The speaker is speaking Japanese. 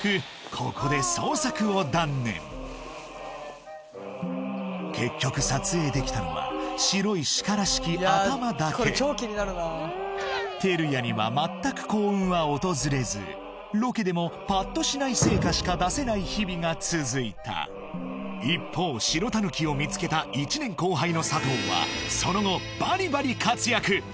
ここで結局撮影できたのは白いシカらしき頭だけ照屋には全くロケでもパッとしない成果しか出せない日々が続いた一方白タヌキを見つけた１年後輩の佐藤はその後バリバリ活躍